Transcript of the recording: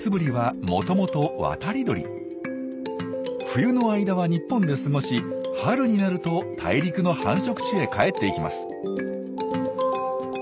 冬の間は日本で過ごし春になると大陸の繁殖地へ帰っていきます。